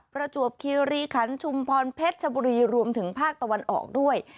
ประจวบคีรีขันชุมพรเพชรชบุรีรวมถึงภาคตะวันออกด้วย